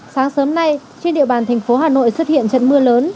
sáng sớm nay trên địa bàn tp hà nội xuất hiện trận mưa lớn